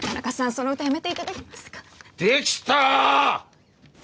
その歌やめていただけますかできた！